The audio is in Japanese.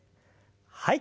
はい。